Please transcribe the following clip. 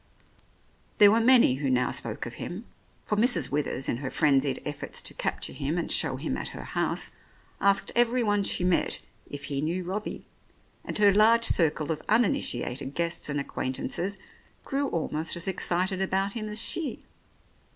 There were many who now spoke of him, for Mrs. Withers in her frenzied efforts to capture him and show him at her house, asked everyone she met if he knew Robbie, and her large circle of uninitiated guests and acquaintances grew almost as excited about him as she.